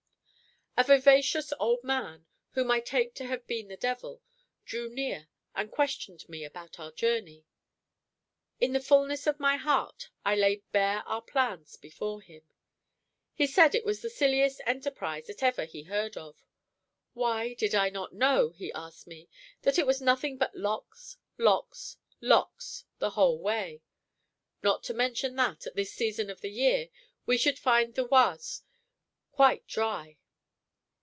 A vivacious old man, whom I take to have been the devil, drew near and questioned me about our journey. In the fulness of my heart, I laid bare our plans before him. He said it was the silliest enterprise that ever he heard of. Why, did I not know, he asked me, that it was nothing but locks, locks, locks, the whole way? not to mention that, at this season of the year, we should find the Oise quite dry?